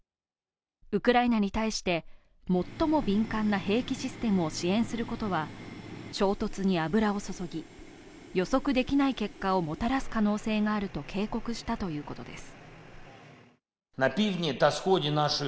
ウクライナに対して最も敏感な兵器システムを支援することは衝突に油を注ぎ、予測できない結果をもたらす可能性があると警告したということです。